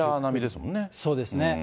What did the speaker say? そうですね。